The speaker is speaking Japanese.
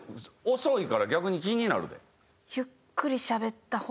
遅いから逆に気になるで。